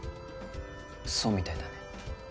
そうみたいだね。